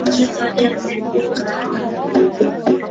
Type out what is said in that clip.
Daraja lina urefu wa kilomita tatu nukta mbili